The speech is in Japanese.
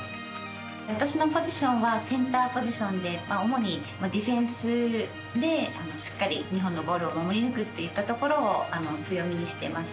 私のポジションはセンターポジションで主にディフェンスでしっかり日本のゴールを守り抜くといったところを強みにしています。